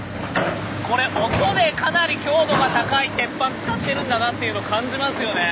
これ音でかなり強度が高い鉄板使ってるんだなっていうの感じますよね。